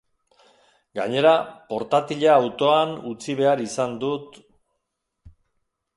Gainera, portatila autoan utzi behar izan dut...